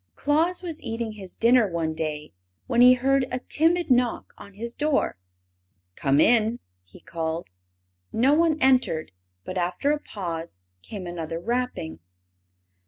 Claus was eating his dinner one day when he heard a timid knock on his door. "Come in!" he called. No one entered, but after a pause came another rapping.